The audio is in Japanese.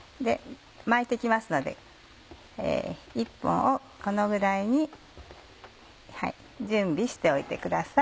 巻いて行きますので一本をこのぐらいに準備しておいてください。